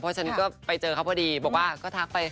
เพราะฉันก็ไปเจอเขาพอดีบอกว่าก็ทักไป